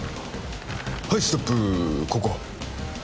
はいストップここ